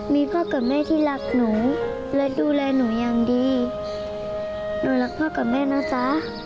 มีพ่อกับแม่ที่รักหนูและดูแลหนูอย่างดีหนูรักพ่อกับแม่นะจ๊ะ